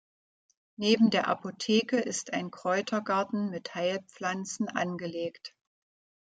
Neben der Apotheke ist ein Kräutergarten mit Heilpflanzen angelegt.